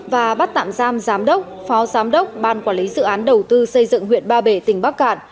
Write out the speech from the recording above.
và bắt tạm giam giám đốc phó giám đốc ban quản lý dự án đầu tư xây dựng huyện ba bể tỉnh bắc cạn